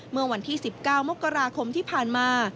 เมื่อวันที่๑๙มกราคมที่ผ่านมา